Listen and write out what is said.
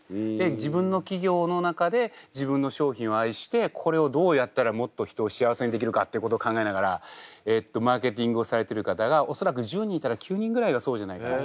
自分の企業の中で自分の商品を愛してこれをどうやったらもっと人を幸せにできるかっていうことを考えながらマーケティングをされてる方が恐らく１０人いたら９人ぐらいがそうじゃないかな。